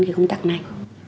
cái công tác này